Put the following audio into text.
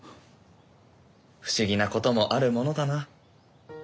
不思議なこともあるものだな。